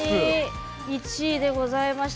１位でございました。